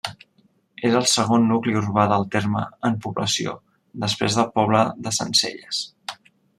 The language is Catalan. És el segon nucli urbà del terme en població després del poble de Sencelles.